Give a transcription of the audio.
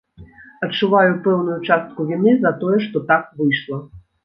Адчуваю пэўную частку віны за тое што, так выйшла.